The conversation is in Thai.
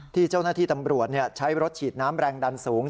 ที่เจ้าหน้าที่ตำรวจใช้รถฉีดน้ำแรงดันสูง